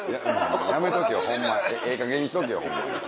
やめとけホンマええかげんにしとけホンマに。